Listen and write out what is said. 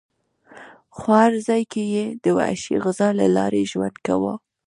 خو هر ځای کې یې د وحشي غذا له لارې ژوند کاوه.